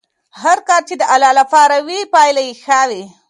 هر کار چې د الله لپاره وي پایله یې ښه وي.